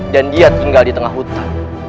dan dia tinggal di tengah hutan